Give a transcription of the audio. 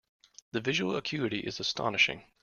The visual acuity is astonishing.